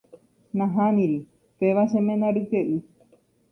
Nahániri, péva che ména ryke'y.